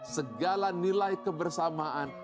segala nilai kebersamaan